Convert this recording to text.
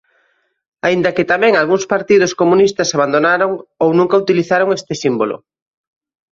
Aínda que tamén algúns partidos comunistas abandonaron ou nunca utilizaron este símbolo.